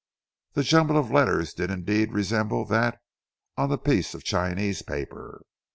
The jumble of letters did indeed resemble that on the piece of Chinese paper.